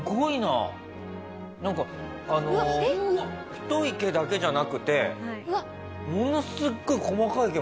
太い毛だけじゃなくてものすごい細かい毛も描いてあるね。